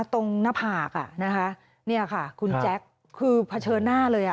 ตรงหน้าผากนี่ค่ะคุณแจ๊คคือเผชิญหน้าเลย